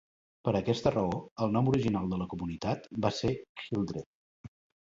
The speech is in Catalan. Per aquesta raó, el nom original de la comunitat va ser Hildreth.